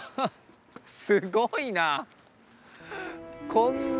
すごいな！